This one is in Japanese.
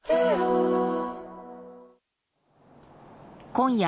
今夜。